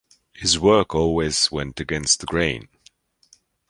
His work always went against the grain.